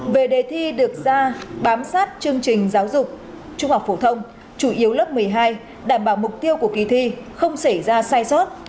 về đề thi được ra bám sát chương trình giáo dục trung học phổ thông chủ yếu lớp một mươi hai đảm bảo mục tiêu của kỳ thi không xảy ra sai sót